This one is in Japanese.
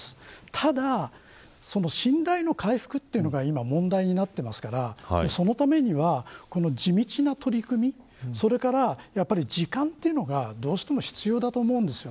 ただ信頼の回復というのが今、問題になっていますからそのためには、地道な取り組みそれから時間というのがどうしても必要だと思うんです。